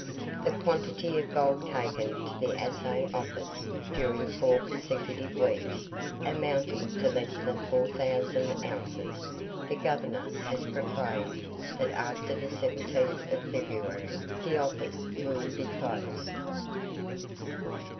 "The quantity of gold taken to the Assay office, during four consecutive weeks, amounting to less than four thousand ounces, the Governor has proclaimed that after the 17th of February the office will be closed."